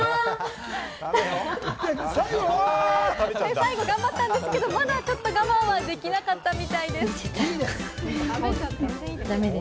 最後、頑張ったんですけれども、まだちょっと我慢できなかったみたいです。